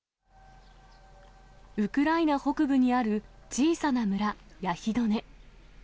ウクライナ北部にある小さな村、ヤヒドネ。